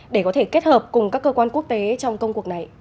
để có thể kết hợp cùng các cơ quan quốc tế trong công cuộc này